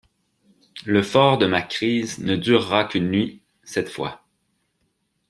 Le fort de ma crise ne dura qu'une nuit, cette fois.